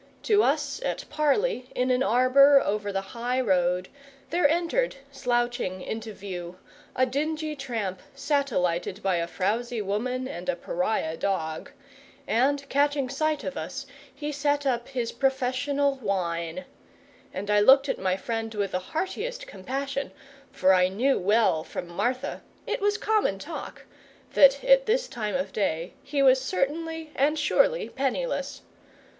To us at parley in an arbour over the high road, there entered, slouching into view, a dingy tramp, satellited by a frowsy woman and a pariah dog; and, catching sight of us, he set up his professional whine; and I looked at my friend with the heartiest compassion, for I knew well from Martha it was common talk that at this time of day he was certainly and surely penniless.